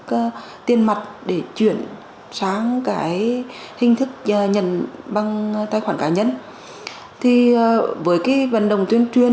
các tiền mặt để chuyển sang hình thức nhận bằng tài khoản cá nhân